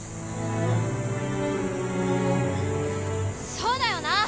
そうだよな！